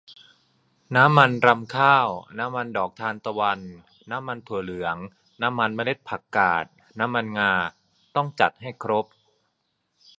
น้ำมันรำข้าว น้ำมันดอกทานตะวัน น้ำมันถั่วเหลือง น้ำมันเมล็ดผักกาด น้ำมันงา ต้องจัดให้ครบ